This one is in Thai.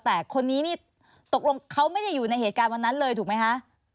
แต่คนนี้นี่ตกลงเขาไม่ได้อยู่ในเหตุการณ์วันนั้นเลยถูกไหมคะ